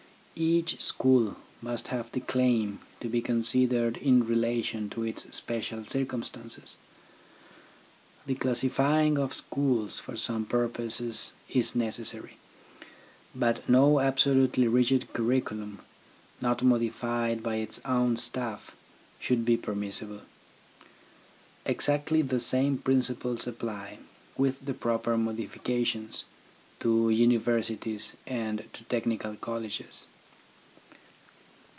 Each school must have the claim to be considered in relation to its special circumstances. The classifying of schools for some purposes is necessary. But no absolutely rigid curriculum, not modified by its own staff, should be permissible. Exactly the same prin ciples apply, with the proper modifications, to universities and to technical colleges.